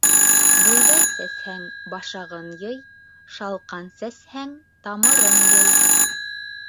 Бойҙай сәсһәң, башағын йый, Шалҡан сәсһәң, тамырын йый.